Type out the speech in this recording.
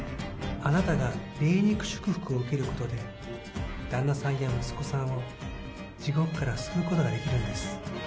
あなたが霊肉祝福を受けることで、旦那さんや息子さんを地獄から救うことができるんです。